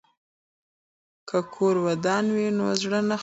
که کور ودان وي نو زړه نه خفه کیږي.